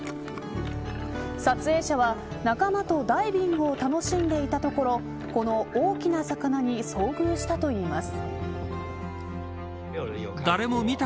撮影者は仲間とダイビングを楽しんでいたところこの大きな魚に遭遇したといいます。